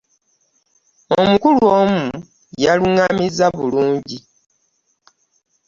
Omukulu omu yaluŋŋamizza bulungi.